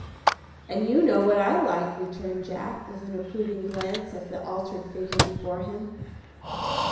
"And you know what I like," returned Jack, with an approving glance at the altered figure before him.